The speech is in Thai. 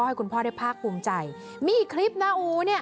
ให้คุณพ่อได้ภาคภูมิใจมีอีกคลิปนะอู๋เนี่ย